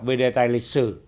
về đề tài lịch sử